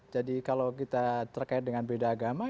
jadi kalau kita terkait dengan beda agama